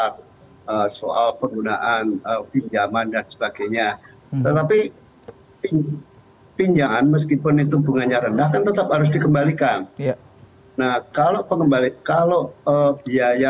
terima kasih terima kasih